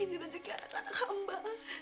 ini rejeki anak anak hamba